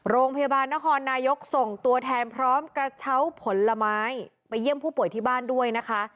โรงพยาบาลนครนายกส่งตัวแทนพร้อมกระเช้าผลไม้ไปเยี่ยมผู้ป่วยที่บ้านด้วยนะคะ